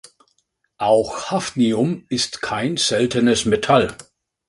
Auch Hafnium ist kein seltenes Metall.